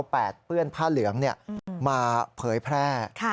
แปดเปื้อนผ้าเหลืองมาเผยแพร่